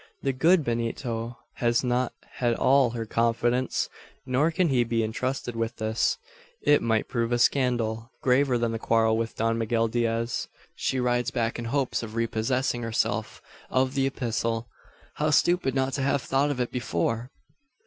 The "good Benito" has not had all her confidence; nor can he be entrusted with this. It might prove a scandal, graver than the quarrel with Don Miguel Diaz. She rides back in hopes of repossessing herself of the epistle. How stupid not to have thought of it before!